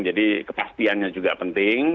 jadi kepastiannya juga penting